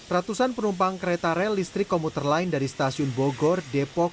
ratusan penumpang kereta rel listrik komuter lain dari stasiun bogor depok